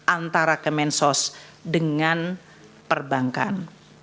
antara kemensos dengan perbankan